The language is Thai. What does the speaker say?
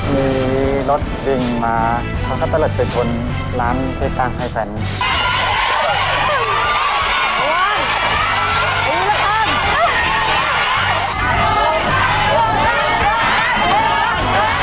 มีรถดิ่งมาทั้งข้างตลอดเศรษฐนร้านติดตามไฟแฟนน์